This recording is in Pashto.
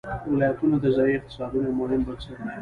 ولایتونه د ځایي اقتصادونو یو مهم بنسټ دی.